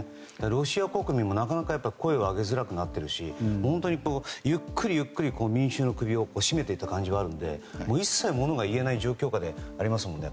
ロシア国民もなかなか声を上げづらくなっているしゆっくりゆっくり民衆の首を絞めていった感じがあるので一切ものが言えない状況下ですよね